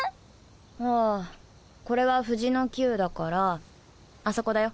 あぁこれは「藤の九」だからあそこだよ。